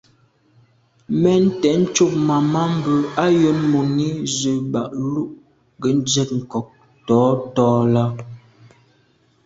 Mɛ́n tɛ̌n cúp màmá mbə̄ á jə́n mùní zə̄ bàk lù gə́ ndzjɛ̂k ŋkɔ̀k tǒ tàh tó.